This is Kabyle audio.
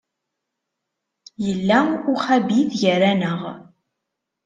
Yella uxabit gar-aneɣ.